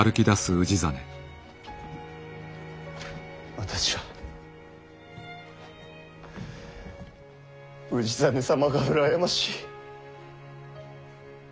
私は氏真様が羨ましい。